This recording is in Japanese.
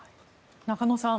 中野さん